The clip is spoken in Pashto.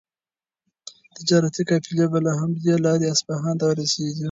تجارتي قافلې به له همدې لارې اصفهان ته رسېدې.